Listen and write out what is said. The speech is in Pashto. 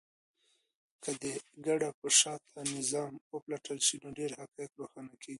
که د کډه په شاته نظام وپلټل سي، نو ډېر حقایق روښانه کيږي.